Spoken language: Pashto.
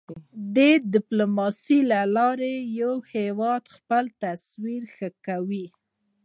د ډیپلوماسی له لارې یو هېواد خپل تصویر ښه کوی.